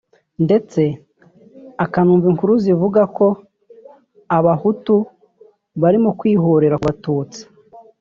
ndetse akanumva inkuru zivuga ko Abahutu barimo kwihorera ku Batutsi